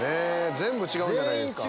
全部違うんじゃないですか。